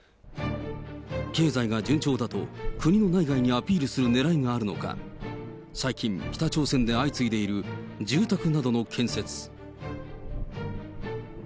経済が順調だと国の内外にアピールするねらいがあるのか、最近、北朝鮮で相次いでいる住宅などの建設。